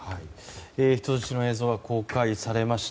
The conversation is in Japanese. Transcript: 人質の映像が公開されました。